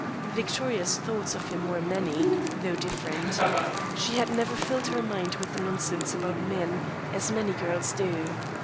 Victoria's thoughts of him were as many, though different. She had never filled her mind with nonsense about men, as many girls do.